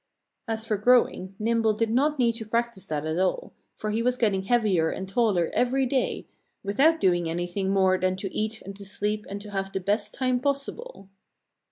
As for growing, Nimble did not need to practice that at all; for he was getting heavier and taller every day, without doing anything more than to eat and to sleep and to have the best time possible.